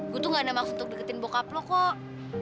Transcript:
gue tuh gak ada maksud untuk deketin bokap lo kok